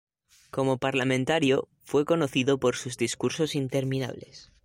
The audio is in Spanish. Como parlamentario, fue conocido por sus discursos interminables.